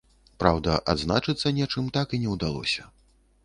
Праўда, адзначыцца нечым так і не ўдалося.